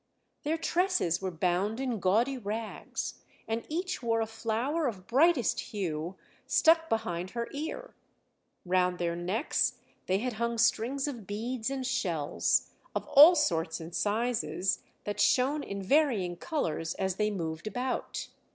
Their tresses were bound in gaudy rags, and each wore a flower of brightest hue stuck behind her ear. Round their necks they had hung strings of beads and shells, of all sorts and sizes, that shone in varying colours as they moved about.